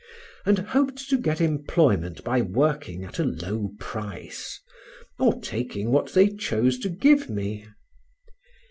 and hoped to get employment by working at a low price; or taking what they chose to give me.